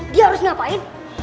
dia harus ngapain